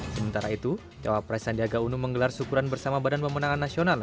sementara itu jawab pres sandiaga uno menggelar syukuran bersama badan pemenangan nasional